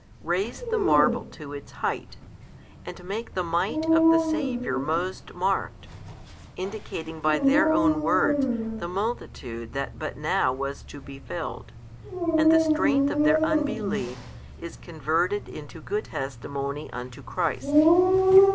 raise the marvel to its height, and make the Might of the Saviour most marked, indicating by their own words the multitude that but now was to be filled, and the strength of their unbelief is converted into good testimony unto Christ.